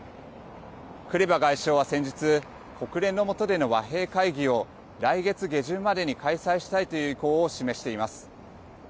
クレバ外相は先日国連の下での和平会議を来月下旬までに開催したいという意向を示しています。